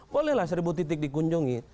bolehlah seribu titik dikunjungi